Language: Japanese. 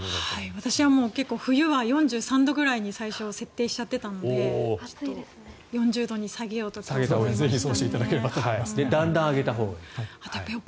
私は冬は４３度ぐらいに設定しちゃってたので４０度に下げようと思いました。